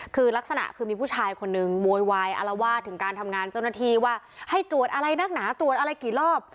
คือลักษณะคือมีผู้ชายคนนึงโวยวายอารวาสถึงการทำงานเจ้าหน้าที่ว่าให้ตรวจอะไรนักหนาตรวจอะไรกี่รอบ